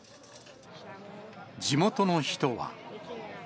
地元の人は。